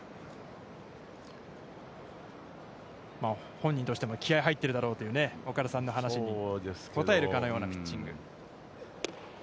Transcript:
本人としても気合いが入っているだろうという岡田さんの話に応えるかのようなピッチング。